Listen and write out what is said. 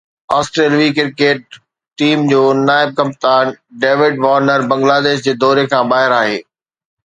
آسٽريلوي cricket team جو نائب ڪپتان ڊيوڊ وارنر بنگلاديش جي دوري کان ٻاهر آهي